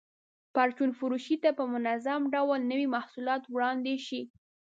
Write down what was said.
پرچون فروشۍ ته په منظم ډول نوي محصولات وړاندې شي.